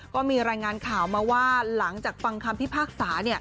ก็มีรายงานข่าวมาว่าหลังจากฟังคำพิพากษา